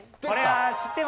知ってた？